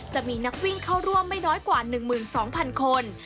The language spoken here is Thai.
จะมีนักวิ่งเข้าร่วมไม่น้อยกว่า๑๒๐๐๐คน